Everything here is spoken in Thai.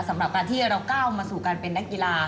สำหรับการที่เราก้าวมาสู่การเป็นนักกีฬา